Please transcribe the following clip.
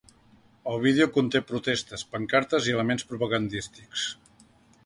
El vídeo conté protestes, pancartes i elements propagandístics.